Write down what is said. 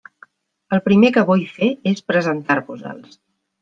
El primer que vull fer és presentar-vos-els.